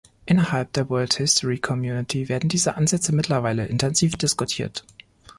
Innerhalb der "World History community" werden diese Ansätze mittlerweile intensiv diskutiert.